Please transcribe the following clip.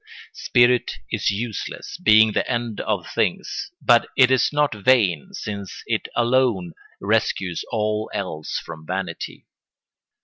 Spirit is useless, being the end of things: but it is not vain, since it alone rescues all else from vanity.